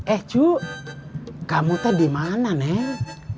eh cu kamu tadi dimana neng